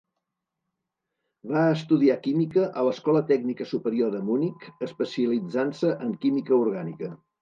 Va estudiar química a l'Escola Tècnica Superior de Munic, especialitzant-se en química orgànica.